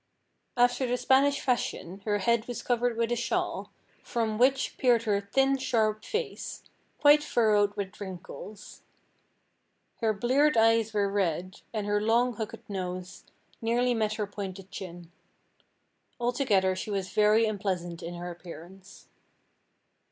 After the Spanish fashion her head was covered with a shawl, from which peered her thin sharp face, quite furrowed with wrinkles. Her bleared eyes were red, and her long hooked nose nearly met her pointed chin. Altogether she was very unpleasant in her appearance.